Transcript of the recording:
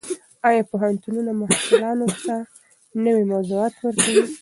ایا پوهنتونونه محصلانو ته نوي موضوعات ورکوي؟